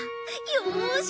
よし！